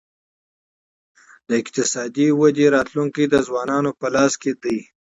د اقتصادي ودې راتلونکی د ځوانانو په لاس کي دی.